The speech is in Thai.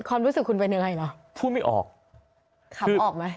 ความรู้สึกคุณเป็นยังไงเหรอพูดไม่ออกขำออกไหม